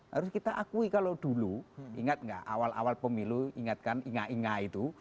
harus kita akui kalau dulu ingat nggak awal awal pemilu ingatkan inga inga itu